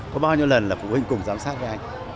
có bao nhiêu lần là phụ huynh cùng giám sát với anh